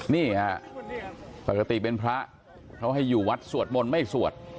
นี่ฮะปกติเป็นพระเขาให้อยู่วัดสวดมนต์ไม่สวด